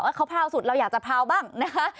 เขาพาวสุดเราอยากจะพาวบ้างนะคะ